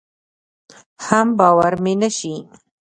حم باور مې نشي.